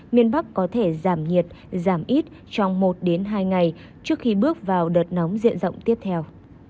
miền bắc có thể giảm nhiệt giảm ít trong một hai ngày trước khi bước vào đợt nóng diện rộng tiếp theo